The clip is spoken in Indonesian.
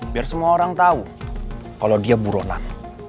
biar semua orang tahu kalau dia buronan